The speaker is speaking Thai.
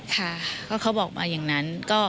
ค่ะก็เขาบอกมาอย่างนั้น